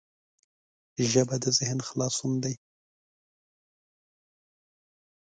ژبه د ذهن خلاصون دی